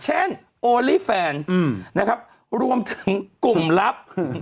โอลี่แฟนนะครับรวมถึงกลุ่มลับ